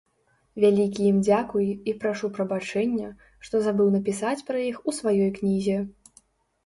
Вялікі ім дзякуй, і прашу прабачэння, што забыў напісаць пра іх у сваёй кнізе.